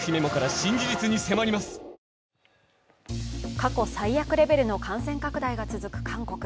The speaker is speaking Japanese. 過去最悪レベルの感染拡大が続く韓国。